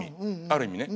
ある意味ね。